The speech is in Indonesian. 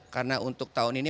karena untuk tahun ini